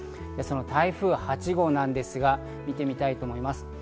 台風８号なんですが、見てみたいと思います。